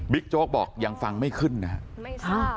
บิ๊กโจ๊กบอกยังฟังไม่ขึ้นนะฮะ